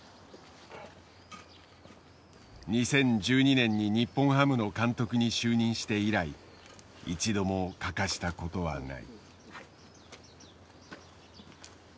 ２０１２年に日本ハムの監督に就任して以来一度も欠かしたことはない。